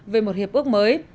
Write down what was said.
về một hiệp ước mới